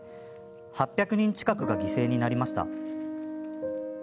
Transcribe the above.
８００人近くが犠牲になりました。